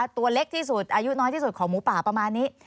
ตัวเล็กที่สุดอายุน้อยที่สุดของหมูป่าประมาณนี้